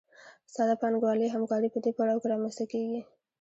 ساده پانګوالي همکاري په دې پړاو کې رامنځته کېږي